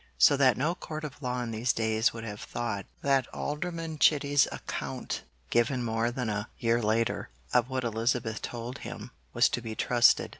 So that no court of law in these days would have thought that Alderman Chitty's account given more than a year later, of what Elizabeth told him, was to be trusted.